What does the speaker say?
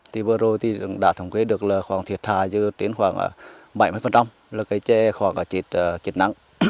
thì vừa rồi thì đã thống kê được là khoảng thiệt thà chứ đến khoảng bảy mươi là cái trẻ khoảng chết nắng